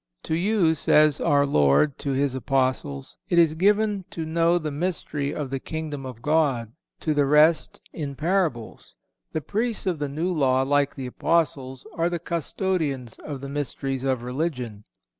(512) "To you," says our Lord to His Apostles, "it is given to know the mystery of the Kingdom of God, to the rest, in parables." The Priests of the New Law, like the Apostles, are the custodians of the mysteries of religion.